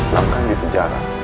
lang kan di penjara